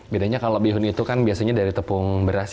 bedanya kalau bihun itu kan biasanya dari tepung beras